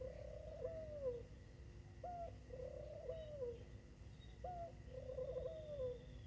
yang kecil kebau